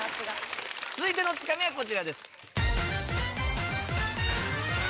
続いてのツカミはこちらです。